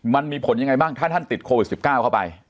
มันมีผลยังไงบ้างถ้าท่านติดโควิด๑๙เข้าไป